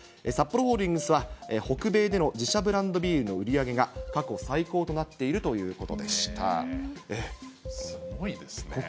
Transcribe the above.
サッポロホールディングスは、北米での自社ブランドビールの売り上げが過去最高となっているとすごいですね。